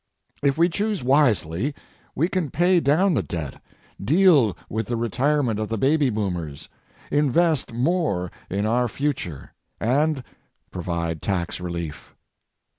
If we choose wisely, we can pay down the debt, deal with the retirement of the baby boomers, invest more in our future and provide tax relief.